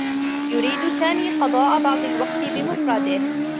يريد سامي قضاء بعض الوقت بمفرده.